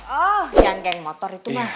oh yang geng motor itu mas